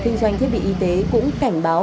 kinh doanh thiết bị y tế cũng cảnh báo